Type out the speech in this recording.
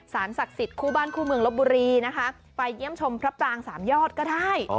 ศักดิ์สิทธิ์คู่บ้านคู่เมืองลบบุรีนะคะไปเยี่ยมชมพระปรางสามยอดก็ได้